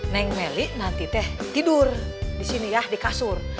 neng meli nanti teh tidur disini ya di kasur